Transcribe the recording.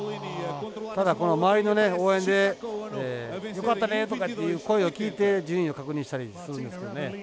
ただ、この周りの応援でよかったねとかっていう声を聞いて順位を確認したりするんですけどね。